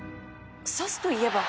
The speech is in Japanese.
刺すといえば